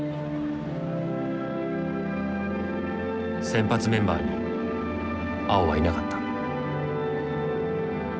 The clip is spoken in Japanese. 先発メンバーに碧はいなかった。